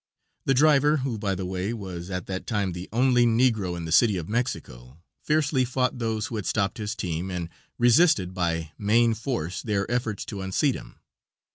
The driver who, by the way, was at that time the only negro in the City of Mexico fiercely fought those who had stopped his team and resisted by main force their efforts to unseat him.